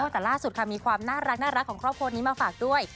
แต่ล่าสุดค่ะมีความน่ารักของครอบครัวนี้มาฝากด้วย